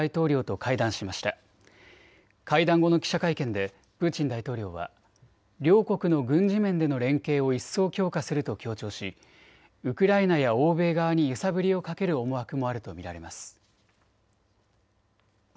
会談後の記者会見でプーチン大統領は両国の軍事面での連携を一層強化すると強調しウクライナや欧米側に揺さぶりをかける思惑もあると見られます。